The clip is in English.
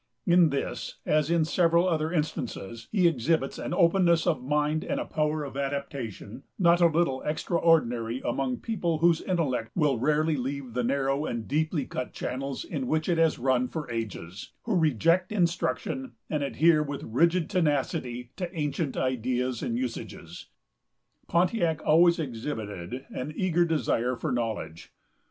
In this, as in several other instances, he exhibits an openness of mind and a power of adaptation not a little extraordinary among a people whose intellect will rarely leave the narrow and deeply cut channels in which it has run for ages, who reject instruction, and adhere with rigid tenacity to ancient ideas and usages. Pontiac always exhibited an eager desire for knowledge.